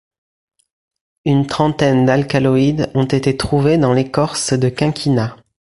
Une trentaine d'alcaloïdes ont été trouvés dans l'écorce de quinquina.